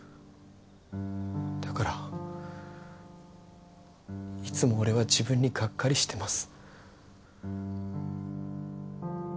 だからいつも俺は自分にガッカリしてます。